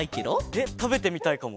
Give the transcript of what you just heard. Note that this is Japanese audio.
えったべてみたいかも。